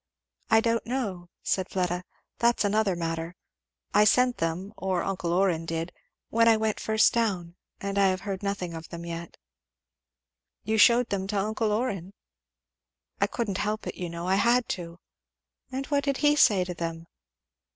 "I don't know," said Fleda, "that's another matter. I sent them, or uncle Orrin did, when I first went down; and I have heard nothing of them yet." "You shewed them to uncle Orrin?" "Couldn't help it, you know. I had to." "And what did he say to them?"